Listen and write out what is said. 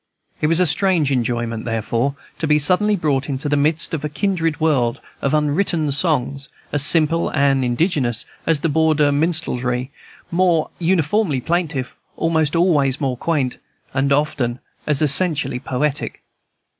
It was a strange enjoyment, therefore, to be suddenly brought into the midst of a kindred world of unwritten songs, as simple and indigenous as the Border Minstrelsy, more uniformly plaintive, almost always more quaint, and often as essentially poetic.